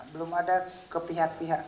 belum ada ke pihak pihak